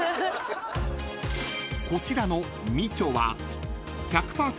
［こちらの美酢は１００％